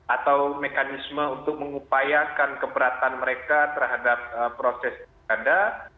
atau mekanisme untuk mengupayakan keberatan mereka terhadap proses terserah